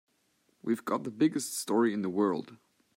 We've got the biggest story in the world.